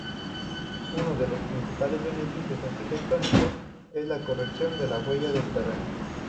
Uno de los principales beneficios arquitectónicos es la corrección de la huella del terreno.